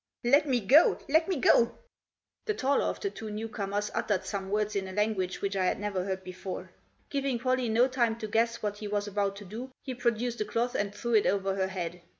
" Let me go ! let me go 1 " The taller of the two newcomers uttered some words in a language which I had never heard before. Giving Pollie no time to guess what he was about to do he produced a cloth and threw it over her head.